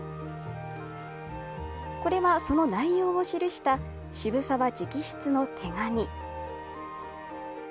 これはその内容を記した、渋沢直筆の手紙。